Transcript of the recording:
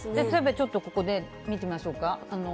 例えばちょっとここで見てみましょうか。